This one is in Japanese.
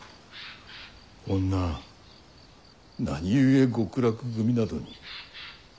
女何故極楽組などに？